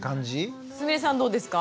すみれさんどうですか？